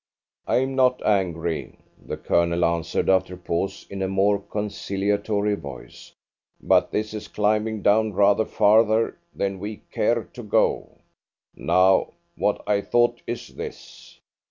"I'm not angry," the Colonel answered after a pause, in a more conciliatory voice, "but this is climbing down rather farther than we care to go. Now, what I thought is this.